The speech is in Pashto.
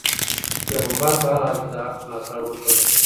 پيغمبر په هر حال کي د حق ملاتړ وکړ.